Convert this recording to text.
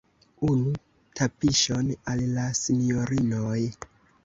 Unu tapiŝon al la sinjorinoj!